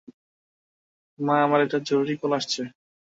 মা, আমার একটা জরুরী কল আসছে।